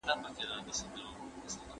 څراغ اوس د ټولې نړۍ د روښانولو وس درلود.